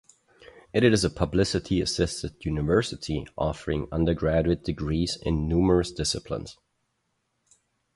It is a publicly assisted university offering undergraduate degrees in numerous disciplines.